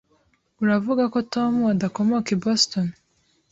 Uravuga ko Tom adakomoka i Boston?